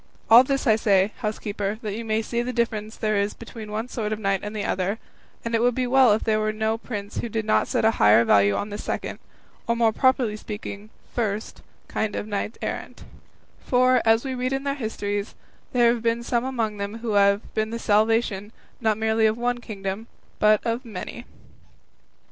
All this I say, housekeeper, that you may see the difference there is between the one sort of knight and the other; and it would be well if there were no prince who did not set a higher value on this second, or more properly speaking first, kind of knights errant; for, as we read in their histories, there have been some among them who have been the salvation, not merely of one kingdom, but of many."